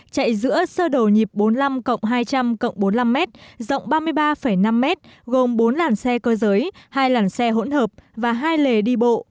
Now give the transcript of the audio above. chạy giữa sơ đồ nhịp bốn mươi năm hai trăm linh bốn mươi năm m rộng ba mươi ba năm m gồm bốn làn xe cơ giới hai làn xe hỗn hợp và hai lề đi bộ